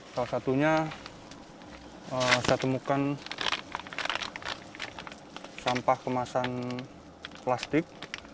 salah satunya saya temukan sampah kemasan plastik